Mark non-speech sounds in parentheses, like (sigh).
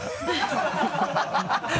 ハハハ (laughs)